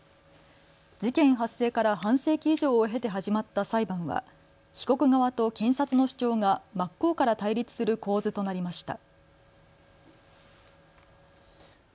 事件発生から半世紀以上を経て始まった裁判は被告側と検察の主張が真っ向から対立する構図となりました。